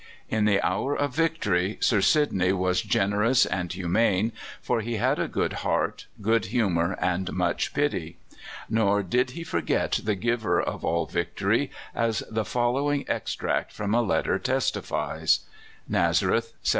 In the hour of victory Sir Sidney was generous and humane, for he had a good heart, good humour, and much pity. Nor did he forget the Giver of all victory, as the following extract from a letter testifies: "_Nazareth, 1799.